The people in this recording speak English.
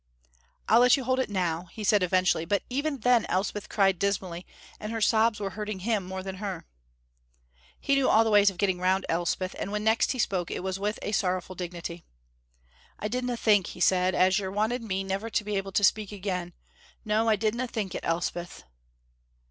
"I'll let you hold it now," he said eventually; but even then Elspeth cried dismally, and her sobs were hurting him more than her. He knew all the ways of getting round Elspeth, and when next he spoke it was with a sorrowful dignity. "I didna think," he said, "as yer wanted me never to be able to speak again; no, I didna think it, Elspeth."